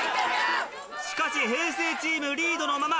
しかし平成チームリードのまま！